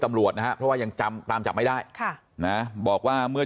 ตำรวจนะฮะเพราะว่ายังจำตามจับไม่ได้ค่ะนะบอกว่าเมื่อ